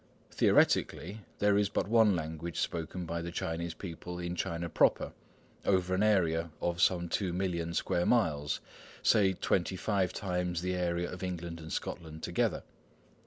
Theoretically, there is but one language spoken by the Chinese people in China proper,—over an area of some two million square miles, say twenty five times the area of England and Scotland together.